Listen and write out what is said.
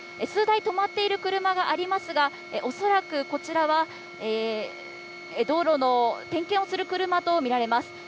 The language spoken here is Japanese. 数台止まっている車がありますが、おそらくこちらは、道路の点検をする車とみられます。